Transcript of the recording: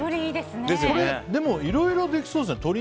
でも、いろいろできそうですね。